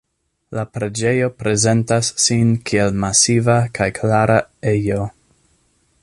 La preĝejo prezentas sin kiel masiva kaj klara ejo.